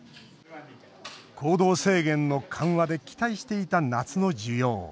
行動制限の緩和で期待していた夏の需要。